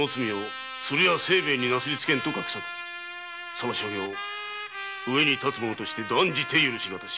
その所業上に立つ者として断じて許し難し。